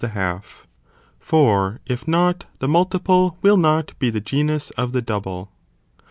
431 the half, for if not the multiple will not be the genus of the double.